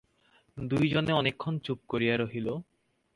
দুই জনে অনেকক্ষণ চুপ করিয়া রহিল।